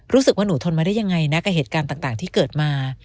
รู้สึกว่าหนูทนมาได้ยังไงนะกับเหตุการณ์ต่างที่เกิดมา